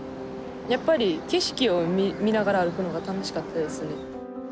やっぱり景色を見ながら歩くのが楽しかったですね。